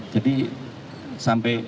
jadi sampai saat ini yang ada komunikasi